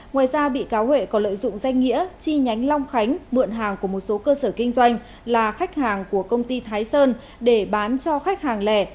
ngoài ra bị cáo huệ còn lợi dụng danh nghĩa chi nhánh long khánh mượn hàng của một số cơ sở kinh doanh là khách hàng của công ty thái sơn để bán cho khách hàng lẻ